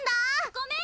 ごめん！